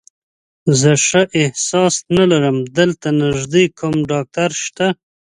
زه ښه احساس نه لرم، دلته نږدې کوم ډاکټر شته؟